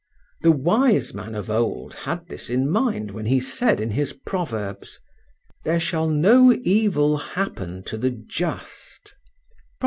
The wise man of old had this in mind when he said in his Proverbs: "There shall no evil happen to the just" (Prov.